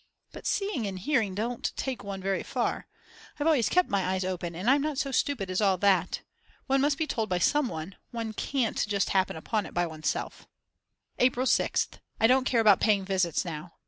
But seeing and hearing don't take one very far. I've always kept my eyes open and I'm not so stupid as all that. One must be told by some one, one can't just happen upon it by oneself. April 6th. I don't care about paying visits now.